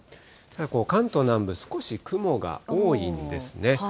関東南部、少し雲が多いんですね。